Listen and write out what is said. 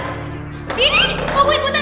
diri mau gue ikutan